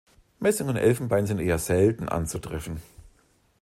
Messing und Elfenbein sind eher selten anzutreffen.